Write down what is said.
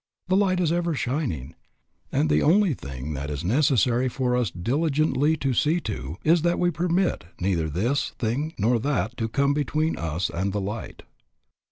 The light is ever shining, and the only thing that it is necessary for us diligently to see to is that we permit neither this thing nor that to come between us and the light.